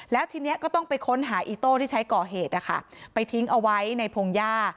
แล้วทีนี้ก็ต้องไปค้นหาอีโต้ที่ใช้ก่อเหตุนะคะไปทิ้งเอาไว้ในพงหญ้า